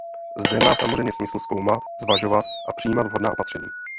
Zde má samozřejmě smysl zkoumat, zvažovat a přijímat vhodná opatření.